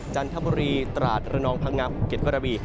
จันทบุรีตราดระนองพังงับเกียรติกราบี